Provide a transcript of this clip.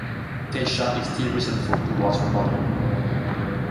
Keisha is still resentful towards her mother.